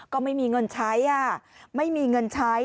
ก็ไม่มีเงินใช้ไม่มีเงินใช้